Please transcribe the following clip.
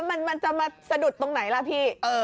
มันจะมาสะดุดตรงไหนล่ะพี่